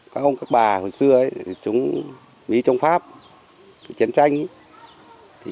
các ông các bà hồi xưa ý chúng mỹ chống pháp chiến tranh